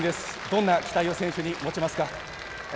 どんな期待を選手に持ちますか？